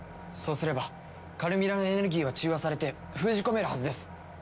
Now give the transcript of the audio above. そうすればカルミラのエネルギーは中和されて封じ込めるはずです。